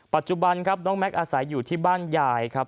ปัจจุบันครับน้องแม็กซ์อาศัยอยู่ที่บ้านยายครับ